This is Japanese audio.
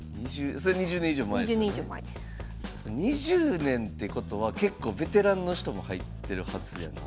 ２０年ってことは結構ベテランの人も入ってるはずやねん。